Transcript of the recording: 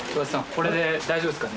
これで大丈夫ですかね